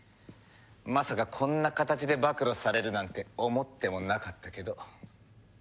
まさかこんな形で暴露されるなんて思ってもなかったけど。